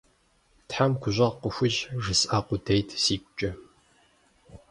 «Тхьэм гущӀэгъу къыхуищӀ» жысӀа къудейт сигукӀэ.